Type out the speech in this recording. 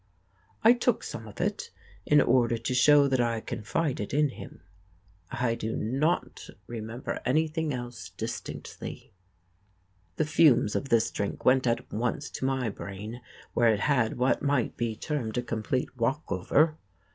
I took some of it in order to show that I confided in him. I do not remember anything else distinctly. The fumes of this drink went at once to my brain, where it had what might be termed a complete walkover.